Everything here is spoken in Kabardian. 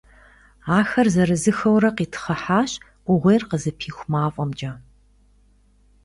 Ахэр зырызыххэурэ къитхъыхьащ Iугъуейр къызыпиху мафIэмкIэ.